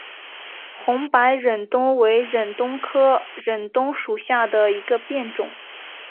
红白忍冬为忍冬科忍冬属下的一个变种。